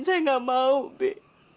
saya enggak mau bi